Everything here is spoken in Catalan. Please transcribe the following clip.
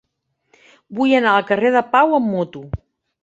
Vull anar al carrer de Pau amb moto.